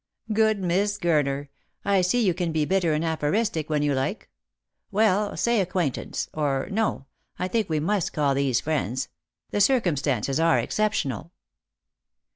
" Good, Miss Gurner ! I see you can be bitter and aphoristic when you like. Well, say acquaintance — or — no, I think we must call these friends. The circumstances are exceptional."